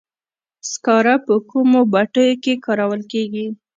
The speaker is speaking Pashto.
سکاره په کومو بټیو کې کارول کیږي؟